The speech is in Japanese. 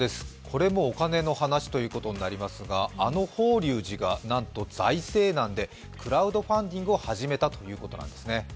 これもお金の話ということになりますがあの法隆寺がなんと財政難でクラウドファンディングを始めたということなんですね。